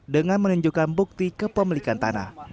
dengan menunjukkan bukti kepemilikan tanah